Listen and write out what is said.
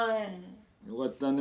よかったね。